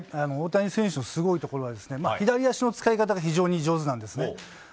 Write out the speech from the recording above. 大谷選手のすごいところは左足の使い方が非常に上手なんですね。